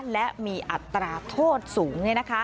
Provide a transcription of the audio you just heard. และมีอัตราโทษสูงเนี่ยนะคะ